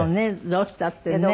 どうしたってね。